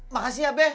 makasih ya be